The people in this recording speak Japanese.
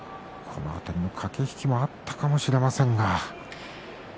この辺り駆け引きがあったかもしれません。